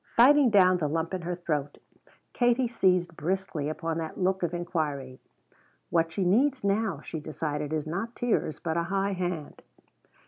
Fighting down the lump in her throat Katie seized briskly upon that look of inquiry. "What she needs now," she decided, "is not tears, but a high hand."